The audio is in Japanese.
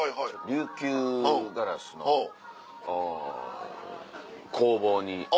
琉球ガラスの工房に。